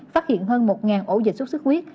phát hiện hơn một ổ dịch sốt sức huyết